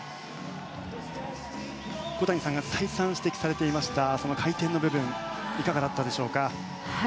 小谷さんが再三指摘されていました回転の部分いかがだったでしょうか。